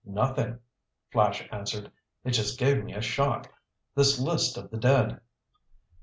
"Nothing," Flash answered. "It just gave me a shock—this list of the dead."